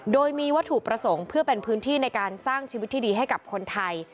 โดยมีวัตถุประสงค์เพื่อเป็นพื้นที่ในการสร้างชีวิตที่ดีให้กับคนไทย